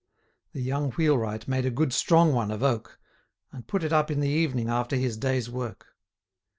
The young wheelwright made a good strong one of oak, and put it up in the evening after his day's work.